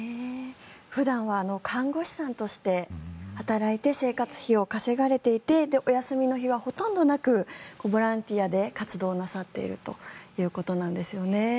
普段は看護師さんとして働いて生活費を稼がれていてお休みの日はほとんどなくボランティアで活動なさっているということです。